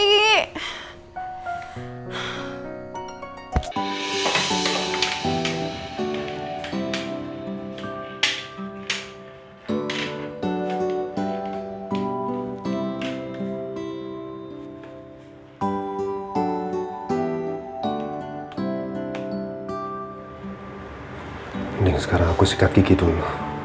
mending sekarang aku sikat gigi dulu